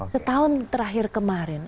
setahun terakhir kemarin